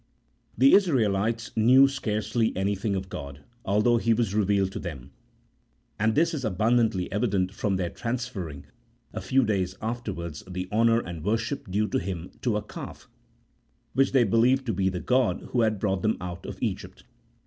The Israelites knew scarcely anything of God, although He was revealed to them ; and tins is abundantly evident from their transferring, a few days afterwards, the honour and worship due to Him to a calf, which they believed to be the god who had brought them out of Egypt.